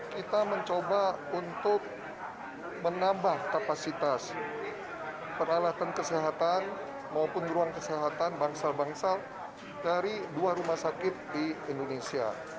kita mencoba untuk menambah kapasitas peralatan kesehatan maupun ruang kesehatan bangsal bangsal dari dua rumah sakit di indonesia